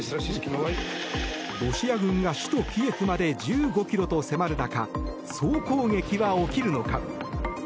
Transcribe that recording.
ロシア軍が首都キエフまで１５ｋｍと迫る中総攻撃は起きるのか。